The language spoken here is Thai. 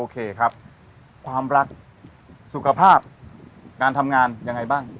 ความรักสุขภาพการทำงานอย่างไรบ้าง